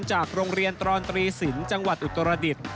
จากโรงเรียนตรอนตรีศิลป์จังหวัดอุตรดิษฐ์